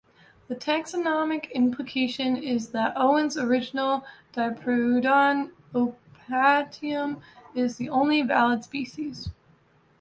The taxonomic implication is that Owen's original "Diprotodon optatum" is the only valid species.